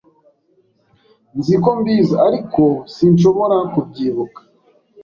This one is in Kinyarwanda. Nzi ko mbizi, ariko sinshobora kubyibuka.